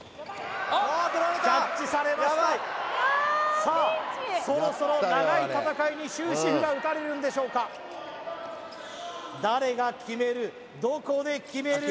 キャッチされましたさあそろそろ長い戦いに終止符が打たれるんでしょうか誰が決めるどこで決める？